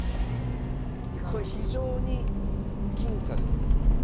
これ非常に僅差です。